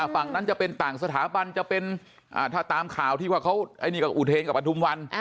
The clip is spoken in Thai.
ฝั่งนั้นจะเป็นต่างสถาบันจะเป็นถ้าตามข่าวที่ว่าเขาอันนี้ก็อุเทนกับประทุมวัน